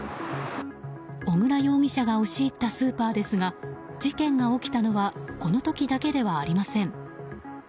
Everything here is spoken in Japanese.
小椋容疑者が押し入ったスーパーですが事件が起きたのはこの時だけではありません。